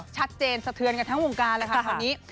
สะเทือนกันทั้งวงการเลยค่ะตอนนี้